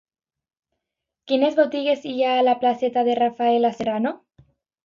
Quines botigues hi ha a la placeta de Rafaela Serrano?